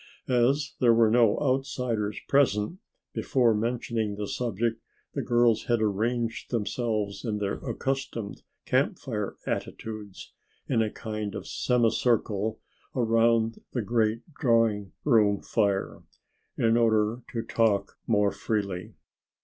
As there were no outsiders present, before mentioning the subject the girls had arranged themselves in their accustomed Camp Fire attitudes, in a kind of semi circle about the great drawing room fire, in order to talk more freely.